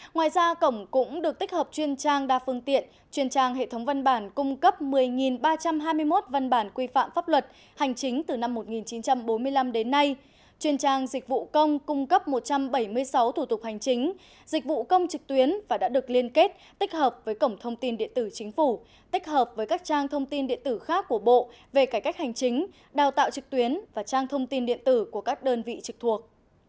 ngoài ra cổng cũng được tích hợp chuyên trang đa phương tiện chuyên trang hệ thống văn bản cung cấp một mươi ba trăm hai mươi một văn bản quy phạm pháp luật hành chính từ năm một nghìn chín trăm bốn mươi năm đến nay chuyên trang dịch vụ công cung cấp một trăm bảy mươi sáu thủ tục hành chính dịch vụ công trực tuyến và đã được liên kết tích hợp với cổng thông tin điện tử chính phủ tích hợp với các trang thông tin điện tử khác của bộ về cải cách hành chính đào tạo trực tuyến và trang thông tin điện tử của các đơn vị trực thuộc